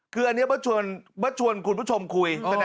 คืออันนี้เบิร์ตชวนคุณผู้ชมคุย